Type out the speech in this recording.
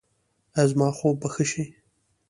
ایا زما خوب به ښه شي؟